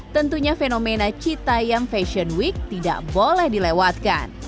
tentunya fenomena citayam fashion week tidak boleh dilewatkan